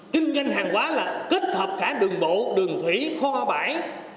kinh doanh hàng quá là kết hợp cả đường bộ đường thủy kho bãi